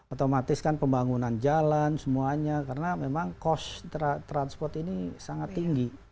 otomatis kan pembangunan jalan semuanya karena memang cost transport ini sangat tinggi